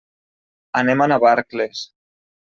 Anem a Navarcles.